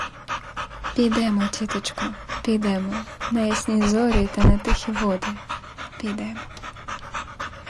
Підемо, тіточко, підемо, на ясні зорі та на тихі води, підемо!